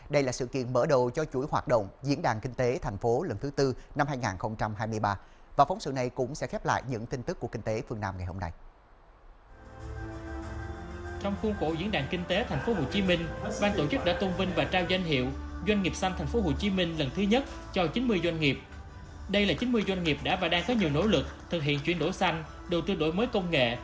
đây là chín mươi doanh nghiệp đã và đang có nhiều nỗ lực thực hiện chuyển đổi xanh đầu tư đổi mới công nghệ